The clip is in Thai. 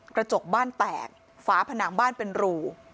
กระจกบ้านแตกฝาผนังบ้านเป็นรู